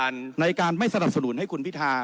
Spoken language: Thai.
ในการไม่สนับสนุนให้คุณพิธา